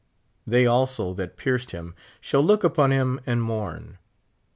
They also that pierced him shall look upon him and mourn.